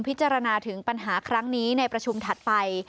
พิจารณาถึงปัญหาครั้งนี้ในประชุมถัดไป